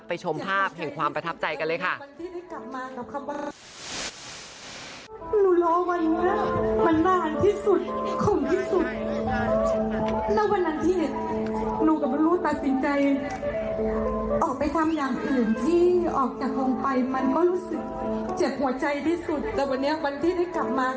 ชมภาพแห่งความประทับใจกันเลยค่ะ